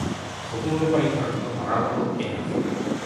თხზულება ითარგმნა მრავალ ენაზე.